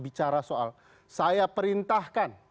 bicara soal saya perintahkan